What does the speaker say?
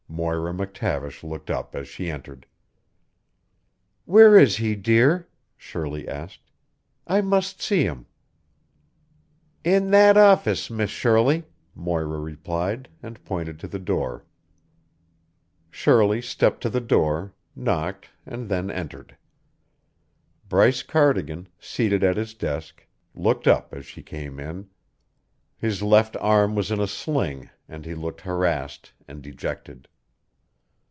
Moira McTavish looked up as she entered. "Where is he, dear?" Shirley asked. "I must see him." "In that office, Miss Shirley," Moira replied, and pointed to the door. Shirley stepped to the door, knocked, and then entered. Bryce Cardigan, seated at his desk, looked up as she came in. His left arm was in a sling, and he looked harassed and dejected.